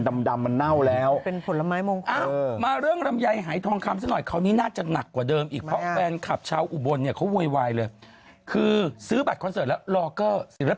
แสดงว่าไม่ได้ใส่สารเคมีงอมไปตามสภาพ